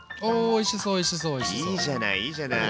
いいじゃないいいじゃない。